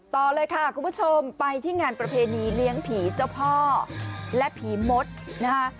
ต่อเลยค่ะคุณผู้ชมไปที่งานประเพณีเลี้ยงผีเจ้าพ่อและผีมดนะคะ